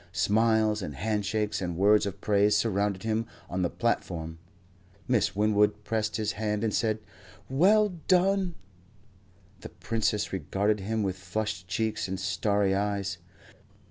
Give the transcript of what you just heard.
Smiles and handshakes and words of praise surrounded him on the platform. Miss Winwood pressed his hand and said, "Well done." The Princess regarded him with flushed cheeks and starry eyes.